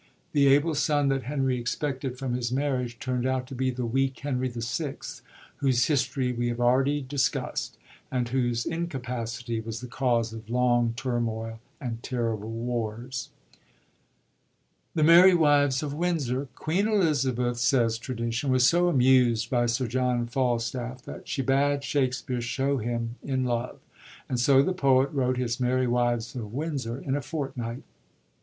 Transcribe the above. The able son that Henry expected from his marriage turnd out to be the weak Henry VI., whose history we have already discus t, and whose incapacity was the cause of long turmoil and terrible wars. The Merry Wives of Windsor.— Queen Elizabeth, says tradition, was so amused by Sir John Falstaff, that she bade Shakspere show him in love ; and so the poet wrote his Merry Wives of Windsor in a fortnight.